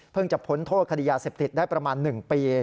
จะพ้นโทษคดียาเสพติดได้ประมาณ๑ปี